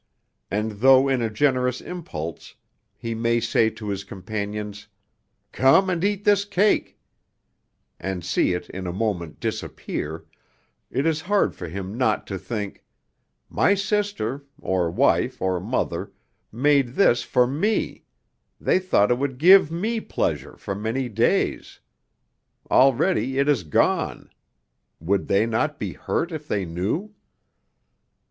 And though in a generous impulse he may say to his companions, 'Come, and eat this cake,' and see it in a moment disappear, it is hard for him not to think, 'My sister (or wife, or mother) made this for me; they thought it would give me pleasure for many days. Already it is gone would they not be hurt if they knew?'